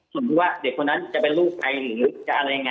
ส่วนที่ว่าเด็กคนนั้นจะเป็นลูกใครหรือจะอะไรยังไง